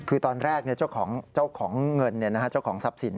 คือตอนแรกเจ้าของเงินเจ้าของทรัพย์สิน